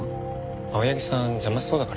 青柳さん邪魔しそうだから。